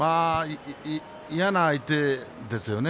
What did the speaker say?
嫌な相手ですよね